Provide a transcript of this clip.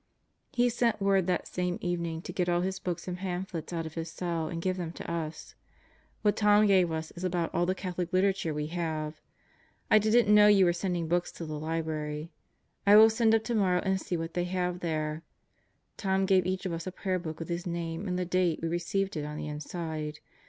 He sent word that same evening to get all his books and pamphlets out of his cell and give them to us. What Tom gave us is about all the Catholic literature we have. I didn't know you were sending books to the library. I will send up tomorrow and see what they have there. Tom gave each of us a prayer book with his name and the date we received it on the inside.